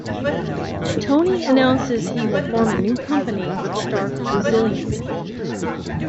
Tony announces he will form a new company, Stark Resilient.